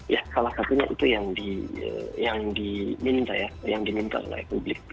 ya salah satunya itu yang diminta ya yang diminta oleh publik